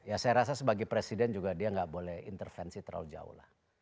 ya saya rasa sebagai presiden juga dia nggak boleh intervensi terlalu jauh lah